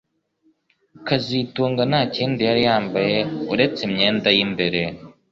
kazitunga nta kindi yari yambaye uretse imyenda yimbere